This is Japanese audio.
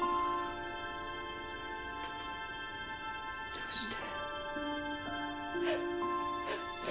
どうして？